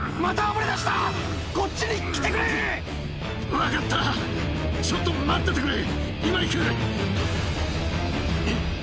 分かったちょっと待っててくれ！